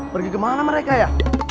pergi kemana mereka ya